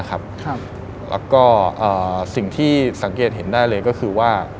แล้วก็สิ่งที่สังเกตเห็นได้เลยก็คือว่า